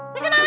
lu siapa anak